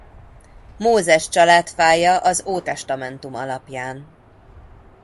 Mózes családfája az Ótestamentum alapján.